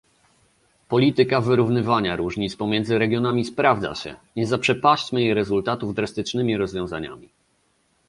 Polityka wyrównywania różnic pomiędzy regionami sprawdza się, nie zaprzepaśćmy jej rezultatów drastycznymi rozwiązaniami